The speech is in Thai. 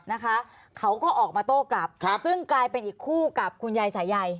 นะคะเขาก็ออกมาโต้กลับครับซึ่งกลายเป็นอีกคู่กับคุณยายสายใย